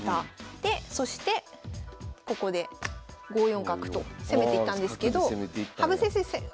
でそしてここで５四角と攻めていったんですけど羽生先生